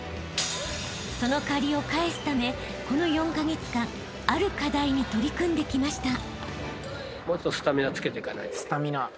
［その借りを返すためこの４カ月間ある課題に取り組んできました］